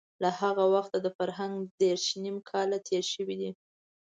له هغه وخته د فرهنګ دېرش نيم کاله تېر شوي دي.